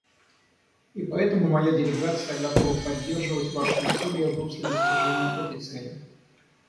И поэтому моя делегация готова поддерживать ваши усилия в русле достижения этой цели.